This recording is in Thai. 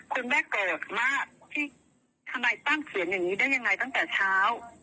คุณแม่โกรธมากที่ทนายตั้มเขียนอย่างนี้ได้ยังไงตั้งแต่เช้า